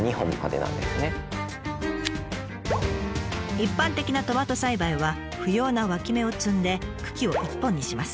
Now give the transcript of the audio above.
一般的なトマト栽培は不要な脇芽を摘んで茎を１本にします。